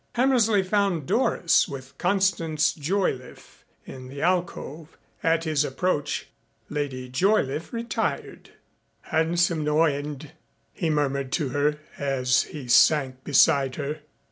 Hammersley found Doris with Constance Joyliffe in an alcove. At his approach Lady Joyliffe retired. "Handsome, no end," he murmured to her as he sank beside her.